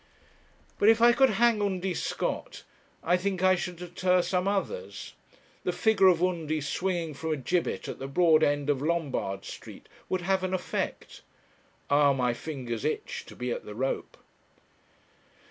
But if I could hang Undy Scott, I think I should deter some others. The figure of Undy swinging from a gibbet at the broad end of Lombard Street would have an effect. Ah! my fingers itch to be at the rope.